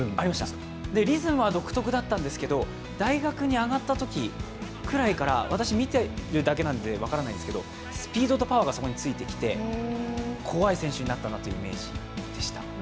リズムは独特だったんですけど大学に上がったときくらいから、私は見ているだけなので分からないですけど、スピードとパワーがそこについてきて、こわい選手になったというイメージでした。